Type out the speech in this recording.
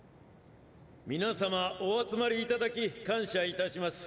皆様お集まり頂き感謝いたします。